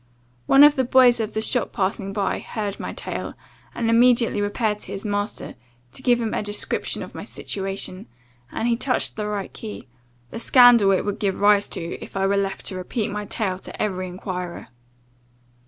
One of the boys of the shop passing by, heard my tale, and immediately repaired to his master, to give him a description of my situation; and he touched the right key the scandal it would give rise to, if I were left to repeat my tale to every enquirer.